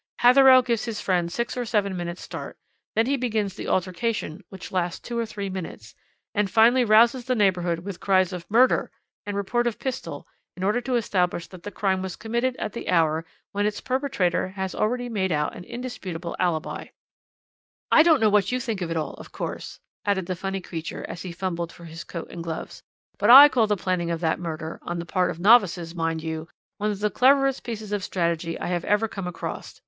"Hatherell gives his friend six or seven minutes' start, then he begins the altercation which lasts two or three minutes, and finally rouses the neighbourhood with cries of 'Murder' and report of pistol in order to establish that the crime was committed at the hour when its perpetrator has already made out an indisputable alibi." "I don't know what you think of it all, of course," added the funny creature as he fumbled for his coat and his gloves, "but I call the planning of that murder on the part of novices, mind you one of the cleverest pieces of strategy I have ever come across.